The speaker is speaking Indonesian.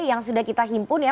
yang sudah kita himpun ya